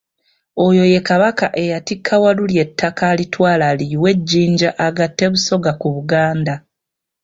Oyo ye Kabaka eyatikka Walulya ettaka alitwale aliyiwe e Jjinja agatte Busoga ku Buganda.